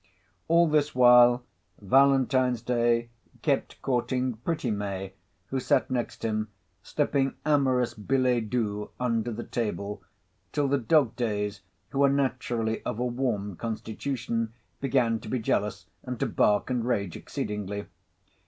All this while, Valentine's Day kept courting pretty May, who sate next him, slipping amorous billets doux under the table, till the Dog Days (who are naturally of a warm constitution) began to be jealous, and to bark and rage exceedingly.